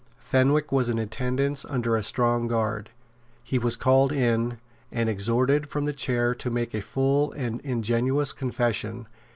Fenwick was in attendance under a strong guard. He was called in, and exhorted from the chair to make a full and ingenuous confession.